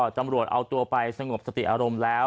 ตำรวจเอาตัวไปสงบสติอารมณ์แล้ว